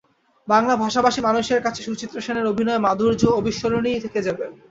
বাংলা ভাষাভাষী মানুষের কাছে সুচিত্রা সেনের অভিনয় মাধুর্য অবিস্মরণীয়ই থেকে যাবে।